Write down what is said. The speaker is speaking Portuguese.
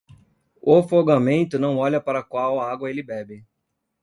O afogamento não olha para qual água ele bebe.